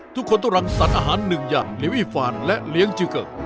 ทุกคนต้องรังสรรอาหารหนึ่งอย่างลิวีฟานและเลี้ยงจือเกิก